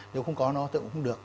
nếu không có nó thì cũng không được